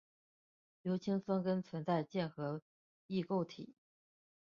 硫氰酸根存在键合异构体。